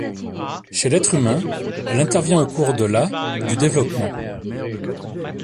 Chez l'être humain, elle intervient au cours de la du développement.